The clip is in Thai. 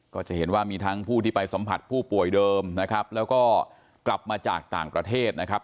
ก็จะเห็นว่ามีทั้งผู้ที่ไปสัมผัสผู้ป่วยเดิมนะครับแล้วก็กลับมาจากต่างประเทศนะครับ